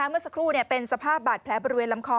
เมื่อสักครู่เป็นสภาพบาดแผลบริเวณลำคอ